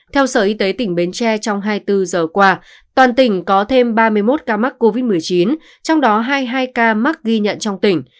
theo sở y tế tỉnh bến tre trong hai mươi bốn giờ qua toàn tỉnh có thêm ba mươi một ca mắc covid một mươi chín trong đó hai mươi hai ca mắc ghi nhận trong tỉnh